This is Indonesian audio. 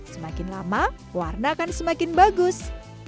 semakin lama warna akan semakin bagus